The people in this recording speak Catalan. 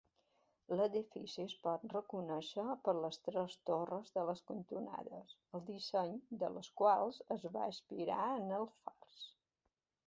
L'edifici es pot reconèixer per les tres torres de les cantonades, el disseny de les quals es va inspirar en els fars.